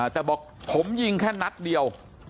แต่บอกผมยิงแค่นัดเดียว